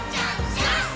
ジャンプ！！」